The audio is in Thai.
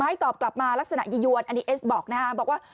ให้ตอบกลับมาลักษณะยียวนอันนี้เอสบอกนะฮะบอกว่า